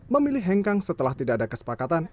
memilih hengkang setelah tidak ada kesepakatan